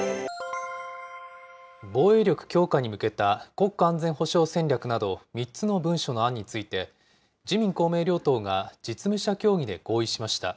防衛力強化に向けた国家安全保障戦略など、３つの文書の案について、自民、公明両党が実務者協議で合意しました。